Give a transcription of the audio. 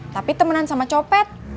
tapi temenan sama copet